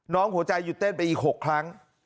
หัวใจหยุดเต้นไปอีก๖ครั้ง